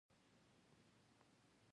ما په دې هکله څه کار کولای شول